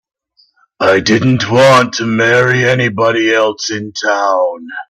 I didn't want to marry anybody else in town.